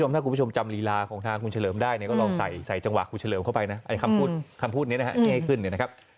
ถ้าคุณผู้ชมจำลีลาของทางคุณเฉลิมได้ก็ลองใส่ใส่จังหวะคุณเฉลิมเข้าไปนะคำพูดคำพูดนี้นะครับ